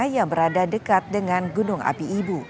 yang berada dekat dengan gunung api ibu